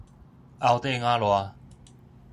甌底亞賴